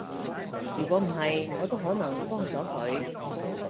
如果唔係，我都可能幫咗佢